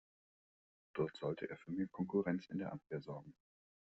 Dort sollte er für mehr Konkurrenz in der Abwehr sorgen.